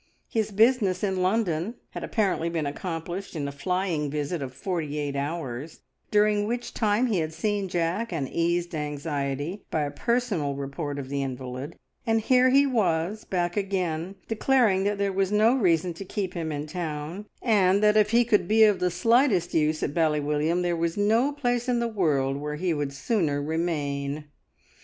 His business in London had apparently been accomplished in a flying visit of forty eight hours, during which time he had seen Jack, and eased anxiety by a personal report of the invalid, and here he was back again, declaring that there was no reason to keep him in town, and that if he could be of the slightest use at Bally William, there was no place in the world where he would sooner remain.